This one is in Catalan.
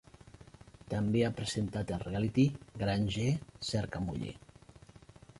També ha presentat el reality "Granger cerca muller".